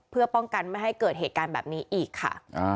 เพื่อป้องกันไม่ให้เกิดเหตุการณ์แบบนี้อีกค่ะ